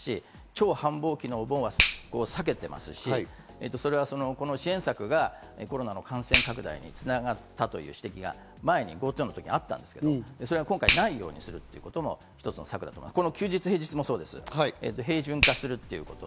超繁忙期のお盆を避けてますし、支援策がコロナの感染拡大に繋がったという指摘がＧｏＴｏの時はあったんですけど、それを今回ないようにするということも一つの策だと思います。